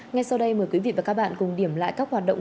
ngay sau đây mời quý vị và các bạn cùng điểm lại các hoạt động